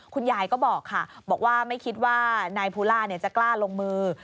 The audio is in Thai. คุณยายก็บอกค่ะบอกว่าไม่คิดว่านายภูล่าจะกล้าลงมือ